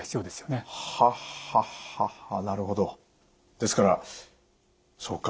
ですからそうか。